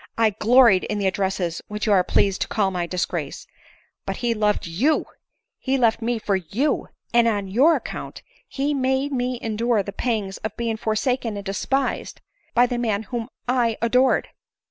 I gloried in the addresses which you are pleased to call my disgrace. But he loved you — he left me for you— and on your ac count he made me endure the pangs of being forsaken and despised by the man whom I adored.